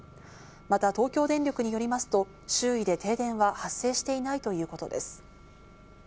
また東京電力によりますと、周囲で停電は発生していないということです。